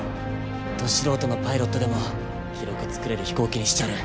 ど素人のパイロットでも記録作れる飛行機にしちゃる。